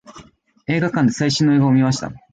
映画館で最新の映画を見ました。